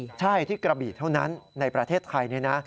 ใช่ที่กระบีเท่านั้นในประเทศไทยเนี่ยนะ